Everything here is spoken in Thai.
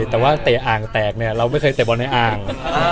แต่ว่าเตะอ่างแตกเนี่ยเราไม่เคยเตะบอลในอ่าง